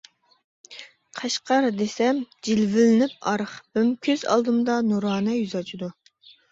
«قەشقەر» دېسەم، جىلۋىلىنىپ ئارخىپىم، كۆز ئالدىمدا نۇرانە يۈز ئاچىدۇ.